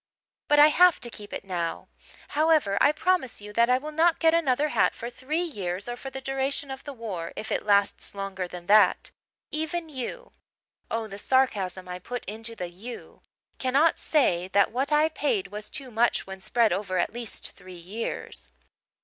"' but I have to keep it now. However, I promise you that I will not get another hat for three years or for the duration of the war, if it lasts longer than that. Even you' oh, the sarcasm I put into the 'you' 'cannot say that what I paid was too much when spread over at least three years.'